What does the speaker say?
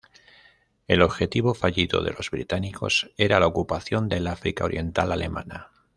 El objetivo fallido de los británicos era la ocupación del África Oriental Alemana.